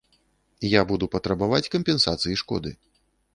Я буду патрабаваць кампенсацыі шкоды.